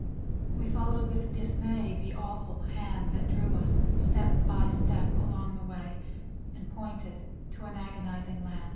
We followed with dismay The awful hand That drew us, step by step, along the way And pointed to an agonizing land.